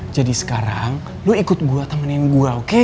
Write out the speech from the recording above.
jadi sekarang lo ikut gue temenin gue oke